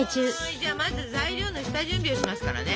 じゃあまず材料の下準備をしますからね。